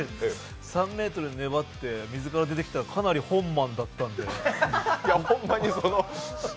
３ｍ粘って水から出てきたらかなりホンマンだったんで。